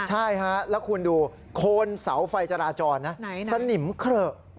ใช่ฮะแล้วคุณดูโคนเสาไฟจราจรนะสนิมเขละ